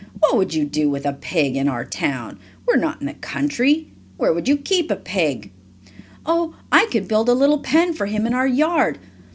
"What would you do with a pig in our town? We are not in the country. Where would you keep a pig?" "Oh, I could build a little pen for him in our yard.